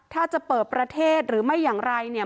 ถ้าจะเปิดประเทศหรือไม่อย่างไรเนี่ย